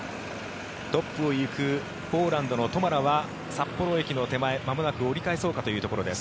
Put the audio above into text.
トップを行くポーランドのトマラは札幌駅の手前まもなく折り返そうといったところです。